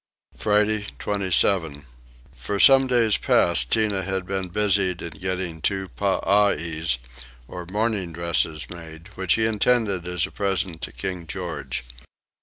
Friday 27. For some days past Tinah had been busied in getting two parais, or mourning dresses, made, which he intended as a present to King George.